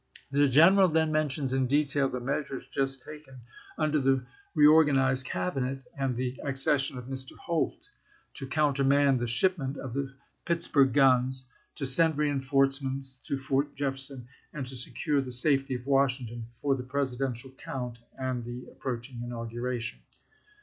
The general then mentions in detail the measures just taken, under the reorganized Cabinet and the accession of Mr. Holt, to countermand the ship ment of the Pittsburgh guns, to send reinforce ments to Fort Jefferson, and to secure the safety of Washington for the Presidential count and the toTincoV i •• j U T » j. M j. Jan 4, 1861. approaching inauguration.